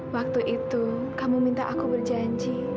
waktu itu kamu minta aku berjanji